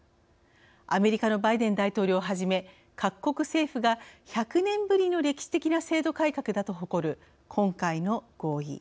アメリカのバイデン大統領をはじめ各国政府が、１００年ぶりの歴史的な制度改革だと誇る今回の合意。